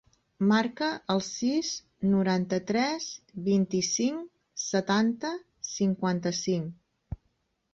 Marca el sis, noranta-tres, vint-i-cinc, setanta, cinquanta-cinc.